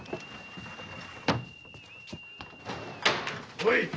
・おい